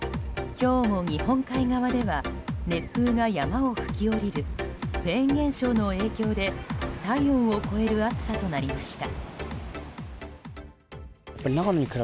今日も日本海側では熱風が山を吹き降りるフェーン現象の影響で体温を超える暑さとなりました。